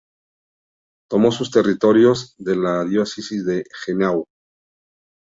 Tomó sus territorios de la diócesis de Juneau.